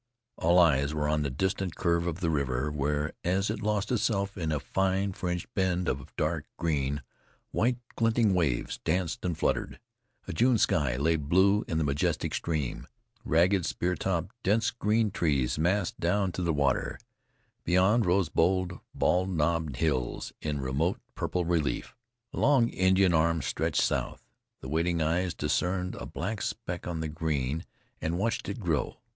All eyes were on the distant curve of the river where, as it lost itself in a fine fringed bend of dark green, white glinting waves danced and fluttered. A June sky lay blue in the majestic stream; ragged, spear topped, dense green trees massed down to the water; beyond rose bold, bald knobbed hills, in remote purple relief. A long Indian arm stretched south. The waiting eyes discerned a black speck on the green, and watched it grow.